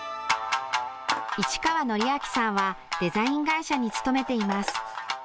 市川智章さんはデザイン会社に勤めています。